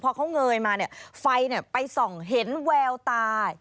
พอเขาเงยมาเนี่ยไฟไปส่องเห็นแววตา